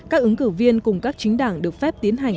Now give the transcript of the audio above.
các ứng cử viên cùng các chính đảng được phép tiến hành